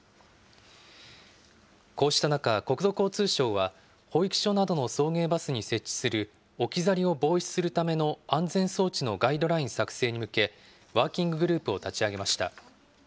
こうした中、国土交通省は、保育所などの送迎バスに設置する置き去りを防止するための安全装置のガイドライン作成に向け、ワーキンググループを立ち上げました。